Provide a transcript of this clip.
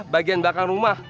bagian belakang rumah